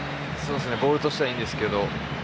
ボールとしてはいいんですけど。